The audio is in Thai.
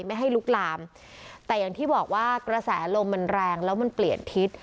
ไม่ให้ลุกลามแต่อย่างที่บอกว่ากระแสลมมันแรงแล้วมันเปลี่ยนทิศ